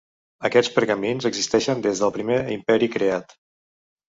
Aquests pergamins existeixen des del primer Imperi creat.